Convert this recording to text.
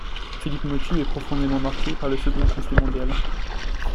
Philippe Mottu est profondément marqué par le second conflit mondial.